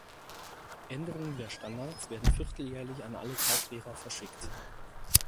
Änderungen der Standards werden vierteljährlich an alle Tauchlehrer verschickt.